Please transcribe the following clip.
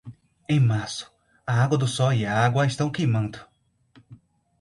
Em março, a água do sol e a água estão queimando.